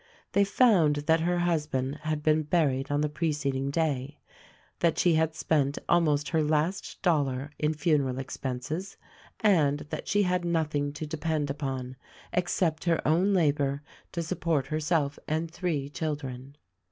They found that her husband had been buried on the preceding day ; that she had spent almost her last dollar in funeral expenses, and that she had nothing to depend upon except her own labor to sup port herself and three children.